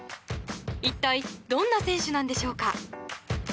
一体どんな選手なんでしょうか。